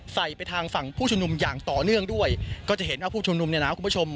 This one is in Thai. ไปทางฝั่งผู้ชุมนุมอย่างต่อเนื่องด้วยก็จะเห็นว่าผู้ชุมนุมเนี่ยนะคุณผู้ชม